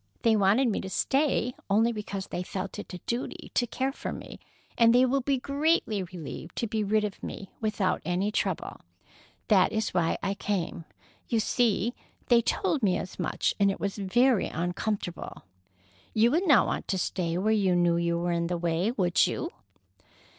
They wanted me to stay only because they felt it a duty to care for me, and they will be greatly relieved to be rid of me without any trouble. That is why I came. You see, they told me as much, and it was very uncomfortable. You would not want to stay where you knew you were in the way, would you?"